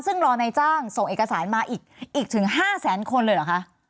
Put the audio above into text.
ซึ่งรอในจ้างส่งเอกสารมาอีกถึง๕แสนคนเลยเหรอคะ